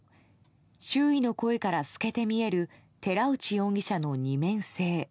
周囲の声から透けて見える寺内容疑者の二面性。